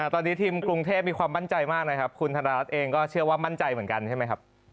ตอนนี้ทีมกรุงเทพมีความมั่นใจมากนะครับคุณธนรัฐเองก็เชื่อว่ามั่นใจเหมือนกันใช่ไหมครับ